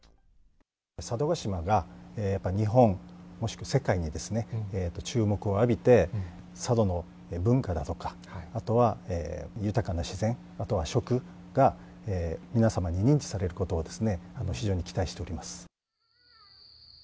佐渡島がやっぱり日本、もしくは世界に注目を浴びて、佐渡の文化だとか、あとは豊かな自然、あとは食が皆様に認知されることを、非常に期待しております。